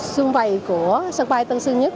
xương vầy của sân bay tân sương nhất